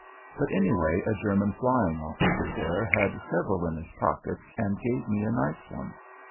But, anyway, a German flying officer there had several in his pockets and gave me a nice one.